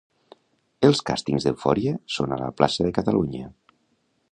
Els càstings d'Eufòria són a la plaça de Catalunya.